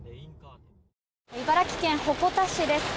茨城県鉾田市です。